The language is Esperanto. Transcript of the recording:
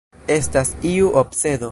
Estas iu obsedo.